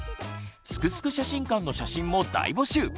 「すくすく写真館」の写真も大募集！